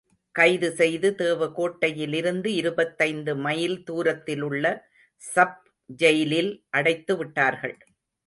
கைது செய்து தேவகோட்டையிலிருந்து இருபத்தைந்து மைல் தூரத்திலுள்ள சப் ஜெயிலில் அடைத்துவிட்டார்கள்.